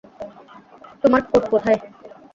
তোমার কোট কোথায়?